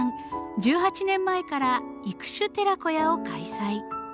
１８年前から育種寺子屋を開催。